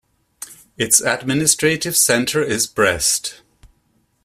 Its administrative center is Brest.